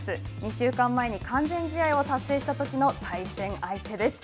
２週間前に完全試合を達成したときの対戦相手です。